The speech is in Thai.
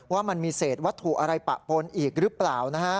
ว่ามันมีเศษวัตถุอะไรปะปนอีกหรือเปล่านะฮะ